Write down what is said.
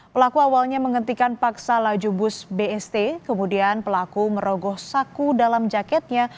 pelaku awalnya menghentikan paksa laju bus bst kemudian pelaku merogoh saku dalam jaketnya